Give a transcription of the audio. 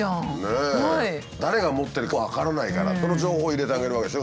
誰が持ってるか分からないからその情報を入れてあげるわけでしょう？